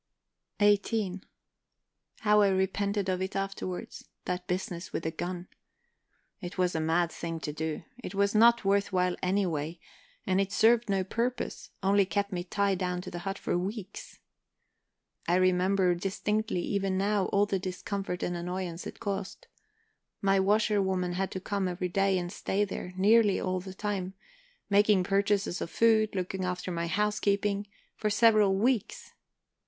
XVIII How I repented of it afterward that business with the gun. It was a mad thing to do. It was not worth while any way, and it served no purpose, only kept me tied down to the hut for weeks. I remember distinctly even now all the discomfort and annoyance it caused; my washerwoman had to come every day and stay there nearly all the time, making purchases of food, looking after my housekeeping, for several weeks.